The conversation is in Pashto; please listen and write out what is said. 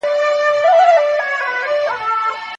ښه فکر تل هيله پيدا کوي